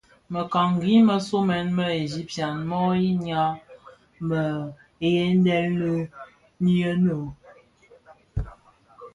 Mëkangi më somèn më Egyptien mo yinnya mëdhèliyèn no?